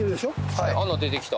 はい穴出てきた